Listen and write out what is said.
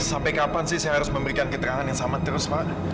sampai kapan sih saya harus memberikan keterangan yang sama terus pak